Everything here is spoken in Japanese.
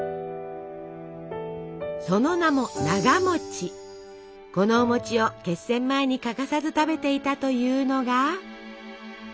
その名もこのおを決戦前に欠かさず食べていたというのが。